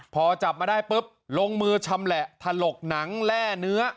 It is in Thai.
พอจับมาได้ปุ๊บลงมือชำแหละถลกหนังแร่เนื้อ